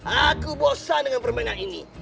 aku bosan dengan permainan ini